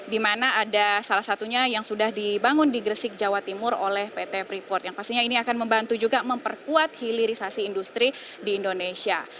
di mana ada salah satunya yang sudah dibangun di gresik jawa timur oleh pt freeport yang pastinya ini akan membantu juga memperkuat hilirisasi industri di indonesia